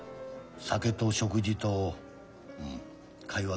酒と食事と会話だけで。